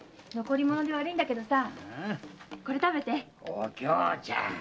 お杏ちゃん。